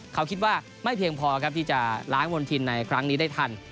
เขาคิดว่าไม่เพียงพอครับที่จะล้างมณฑินในครั้งนี้ได้ทัน